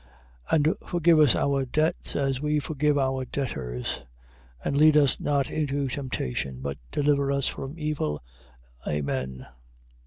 And forgive us our debts, as we also forgive our debtors. 6:13. And lead us not into temptation. But deliver us from evil. Amen.